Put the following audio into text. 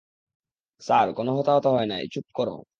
Sir, কোন হতাহত হয় নাই- - চুপ কর!